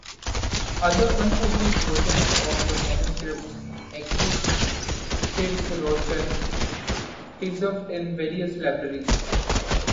Other unpublished versions of the manuscripts exist, states Rocher, preserved in various libraries.